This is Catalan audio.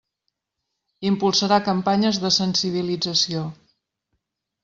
Impulsarà campanyes de sensibilització.